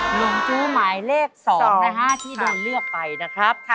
หนุ่มจู้หมายเลข๒นะฮะที่โดนเลือกไปนะครับ